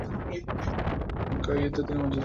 মক্কায় কর্তৃত্বের ভিত্তি মজবুত করতে ব্যস্ত।